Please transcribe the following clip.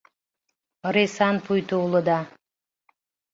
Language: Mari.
Ыресан пуйто улыда.